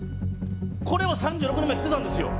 「これを３６年前着てたんですよ」